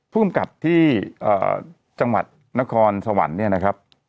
ผู้กำกับที่จังหวัดนครสวรรค์เนี่ยนะครับ